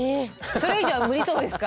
それ以上は無理そうですか？